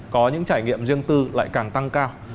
có những trải nghiệm riêng tư lại càng tăng cao